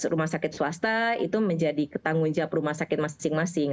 rumah sakit swasta itu menjadi tanggung jawab rumah sakit masing masing